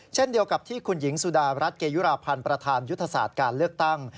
เช่นเดียวกับที่คุณหญิงสุดารัฐเกยุราพันธ์ประธานยุทธศาสตร์การเลือกตั้ง